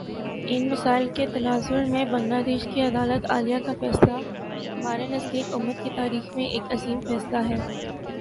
ان مسائل کے تناظر میں بنگلہ دیش کی عدالتِ عالیہ کا فیصلہ ہمارے نزدیک، امت کی تاریخ میں ایک عظیم فیصلہ ہے